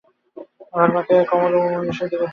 ঘাড় বাঁকাইয়া কমলা উমেশের দিক হইতে মুখ ফিরাইয়া লইল।